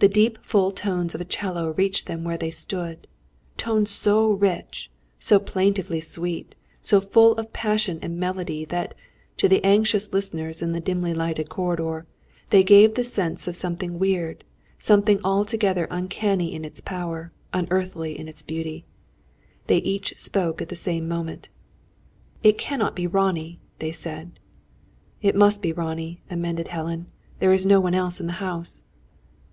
The deep full tones of a 'cello, reached them where they stood; tones so rich, so plaintively sweet, so full of passion and melody, that, to the anxious listeners in the dimly lighted corridor, they gave the sense of something weird, something altogether uncanny in its power, unearthly in its beauty. They each spoke at the same moment. "It cannot be Ronnie," they said. "It must be Ronnie," amended Helen. "There is no one else in the house."